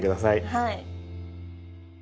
はい！